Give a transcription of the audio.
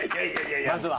まずは。